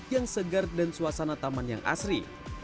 yang segar dan suasana taman yang asri